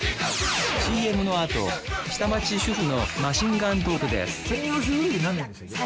ＣＭのあと下町主婦のマシンガントークです